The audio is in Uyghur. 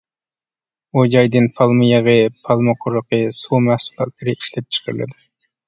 بۇ جايدىن پالما يېغى، پالما قۇرۇقى، سۇ مەھسۇلاتلىرى ئىشلەپچىقىرىلىدۇ.